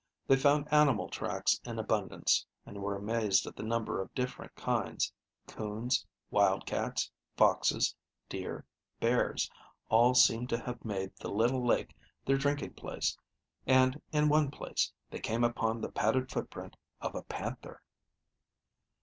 They found animal tracks in abundance, and were amazed at the number of different kinds coons, wild cats, foxes, deer, bears all seemed to have made the little lake their drinking place, and, in one place, they came upon the padded footprint of a panther.